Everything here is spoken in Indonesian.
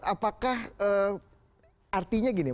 apakah artinya gini